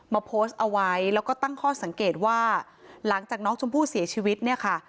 โพสต์เอาไว้แล้วก็ตั้งข้อสังเกตว่าหลังจากน้องชมพู่เสียชีวิตเนี่ยค่ะ